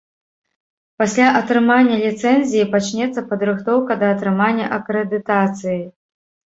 Пасля атрымання ліцэнзіі пачнецца падрыхтоўка да атрымання акрэдытацыі.